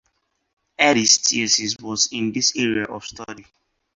Eddy's thesis was in this area of study.